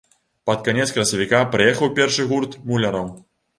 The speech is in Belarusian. Пад канец красавіка прыехаў першы гурт муляраў.